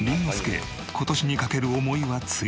今年にかける思いは強く。